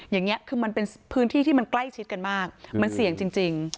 อย่างนี้คือมันเป็นพื้นที่ที่มันใกล้ชิดกันมากมันเสี่ยงจริง